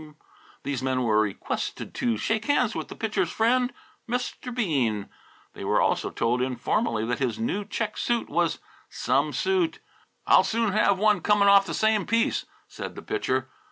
These men were requested to shake hands with the Pitcher's friend, Mr. Bean. They were also told informally that his new check suit was some suit. "I'll soon have one coming off the same piece," said the Pitcher.